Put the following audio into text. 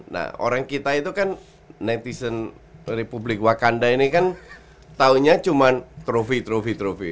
nah orang kita itu kan netizen republik wakanda ini kan taunya cuman trophy trophy trophy